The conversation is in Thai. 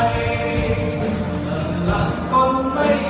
เมื่อหลังคงไม่พอ